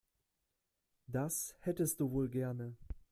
Das hättest du wohl gerne.